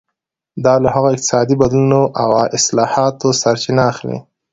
دا له هغو اقتصادي بدلونونو او اصلاحاتو سرچینه اخلي.